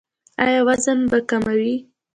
ایا وزن به کموئ؟